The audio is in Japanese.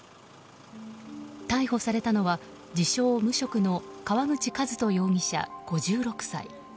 逮捕されたのは自称・無職の川口和人容疑者、５６歳。